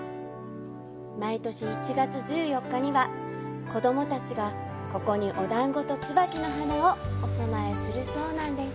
毎年１月１４日には子供たちがここにお団子と椿の花をお供えするそうです。